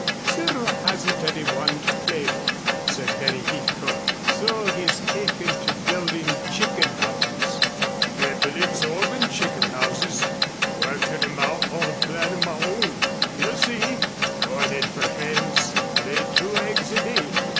"Cyril hasn't anyone to play with," said Betty Heathcote, "so he has taken to building chicken houses." "Fearfully absorbin' chicken houses. Workin' 'em out on a plan of my own. You'll see. Goin' in for hens to lay two eggs a day."